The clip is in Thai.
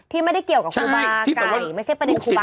ที่ไม่ได้เกี่ยวกับคุปากัยไม่ใช่ประเด็นคุปากัย